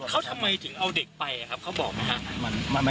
เขาทำไมถึงเอาเด็กไปครับเขาบอกไหมครับ